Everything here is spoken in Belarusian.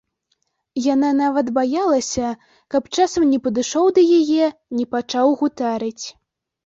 Яна нават баялася, каб часам не падышоў да яе, не пачаў гутарыць.